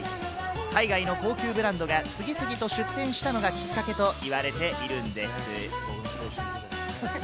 海外の高級ブランドが次々と出店したのがきっかけと言われているんです。